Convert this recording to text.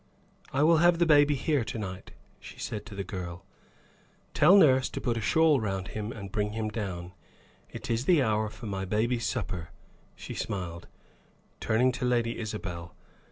"I will have the baby here to night," she said to the girl. "Tell nurse to put a shawl round him and bring him down. It is the hour for my baby's supper," she smiled, turning to Lady Isabel.